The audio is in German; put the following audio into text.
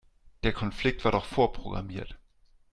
Der Konflikt war doch vorprogrammiert.